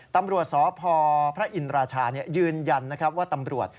ตำรวจสพอินราชายืนยันว่าตำรวจ